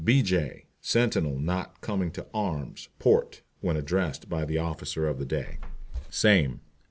BEJAY. Sentinel not coming to "Arms, Port," when addressed by the officer of the day. SAME.